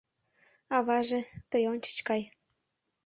Аваже, тый ончыч кай.